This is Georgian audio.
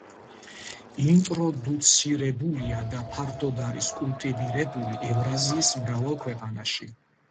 ინტროდუცირებულია და ფართოდ არის კულტივირებული ევრაზიის მრავალ ქვეყანაში.